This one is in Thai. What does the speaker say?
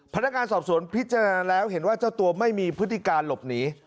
พนักงานสอบสวนพิจารณาแล้วเห็นว่าเจ้าตัวไม่มีพฤติการหลบหนี